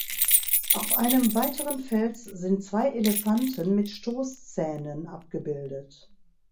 Auf einem weiteren Fels sind zwei Elefanten mit Stoßzähnen abgebildet.